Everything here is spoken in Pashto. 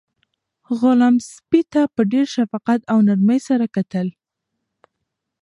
غلام سپي ته په ډېر شفقت او نرمۍ سره کتل.